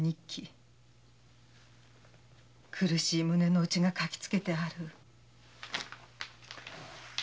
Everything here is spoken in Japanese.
苦しい胸のうちが書きつけてある。